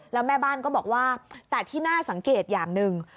แล้วแม่บ้านก็บอกว่าแต่ที่น่าสังเกตอย่างหนึ่ง